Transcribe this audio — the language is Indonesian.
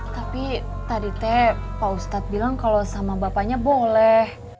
tapi tadi teh pak ustadz bilang kalau sama bapaknya boleh